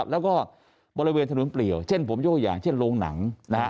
แล้วก็บริเวณถนนเปลี่ยวเช่นผมยกตัวอย่างเช่นโรงหนัง